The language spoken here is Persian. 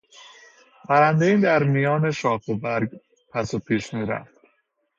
پرندهای در میان شاخ و برگ پس و پیش میرفت.